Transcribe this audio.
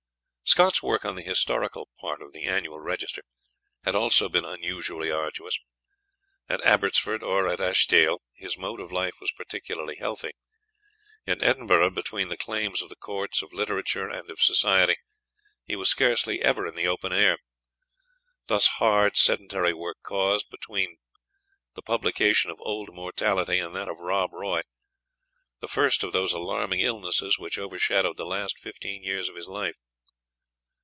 Scott's work on the historical part of the "Annual Register" had also been unusually arduous. At Abbotsford, or at Ashiestiel, his mode of life was particularly healthy; in Edinburgh, between the claims of the courts, of literature, and of society, he was scarcely ever in the open air. Thus hard sedentary work caused, between the publication of "Old Mortality" and that of "Rob Roy," the first of those alarming illnesses which overshadowed the last fifteen years of his life.